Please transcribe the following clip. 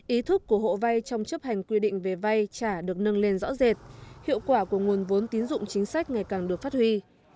ý thức của hộ vay trong chấp hành quy định về vay trả được nâng lên rõ rệt hiệu quả của nguồn vốn tín dụng chính sách ngày càng được phát huy